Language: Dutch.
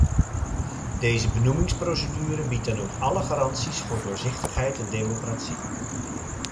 Deze benoemingsprocedure biedt dan ook alle garanties voor doorzichtigheid en democratie.